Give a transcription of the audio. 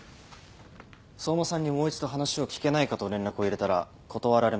相馬さんにもう一度話を聞けないかと連絡を入れたら断られました。